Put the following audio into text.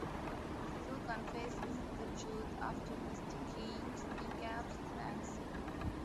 Sue confesses the truth after Mister Kim kneecaps Nancy.